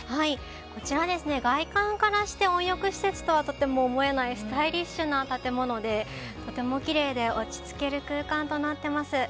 こちらは外観からして温浴施設とはとても思えないスタイリッシュな建物でとてもきれいで落ち着ける空間となっています。